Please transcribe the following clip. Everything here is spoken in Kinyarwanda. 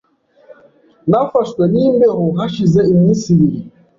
Nafashwe n'imbeho hashize iminsi ibiri.